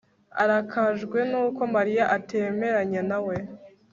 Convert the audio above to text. arakajwe nuko mariya atemeranya nawe